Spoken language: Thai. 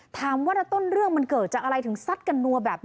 ถามว่าต้นเรื่องมันเกิดจากอะไรถึงศัพท์กันทวมาแบบนั้น